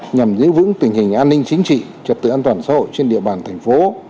nhằm giữ vững tình hình an ninh chính trị trật tự an toàn xã hội trên địa bàn thành phố